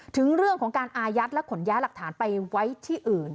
ถึงเรื่องของการอายัดและขนย้ายหลักฐานไปไว้ที่อื่น